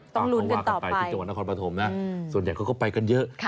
ต้องลุนไปต่อไปต้องวาขันไปที่จังหวัดนครปฐมนะส่วนใหญ่เขาก็ไปกันเยอะ